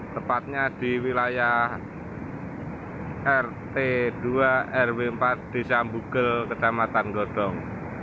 tepatnya di wilayah rt dua rw empat desa bugel kecamatan godong